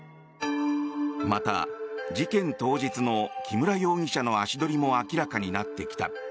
また、事件当日の木村容疑者の足取りも明らかになってきた。